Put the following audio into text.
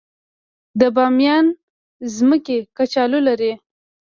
د بامیان ځمکې کچالو لري